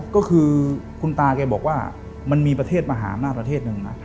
ก็คือคุณตาแกบอกว่ามันมีประเทศมหาอำนาจประเทศหนึ่งนะ